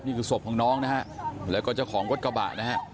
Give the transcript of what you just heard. ศพของน้องนะฮะแล้วก็เจ้าของรถกระบะนะฮะ